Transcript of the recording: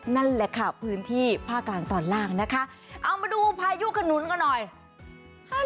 นั่นแหละค่ะพื้นที่ภาคกลางตอนล่างนะคะเอามาดูพายุขนุนกันหน่อย